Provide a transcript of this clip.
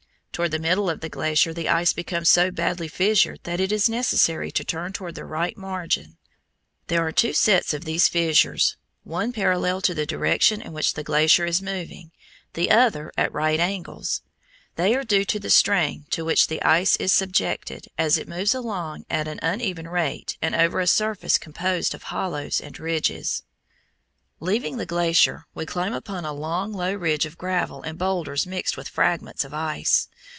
Toward the middle of the glacier the ice becomes so badly fissured that it is necessary to turn toward the right margin. There are two sets of these fissures, one parallel to the direction in which the glacier is moving, the other at right angles. They are due to the strain to which the ice is subjected as it moves along at an uneven rate and over a surface composed of hollows and ridges. [Illustration: FIG. 18. MORAINE AT THE END OF THE GLACIER] Leaving the glacier, we climb upon a long low ridge of gravel and boulders mixed with fragments of ice.